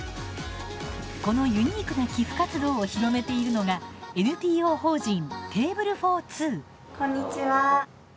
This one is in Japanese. このユニークな寄付活動を広めているのがこんにちは。